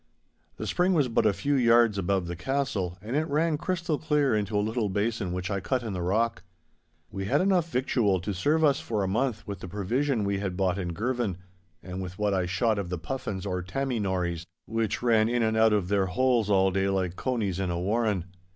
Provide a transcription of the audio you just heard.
The spring was but a few yards above the castle, and it ran crystal clear into a little basin which I cut in the rock. We had enough victual to serve us for a month with the provision we had bought in Girvan, and with what I shot of the puffins or Tammy Nories, which ran in and out of their holes all day like conies in a warren.